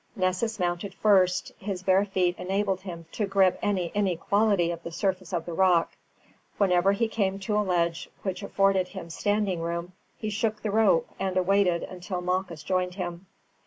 Nessus mounted first; his bare feet enabled him to grip any inequality of the surface of the rock. Whenever he came to a ledge which afforded him standing room he shook the rope, and waited until Malchus joined him.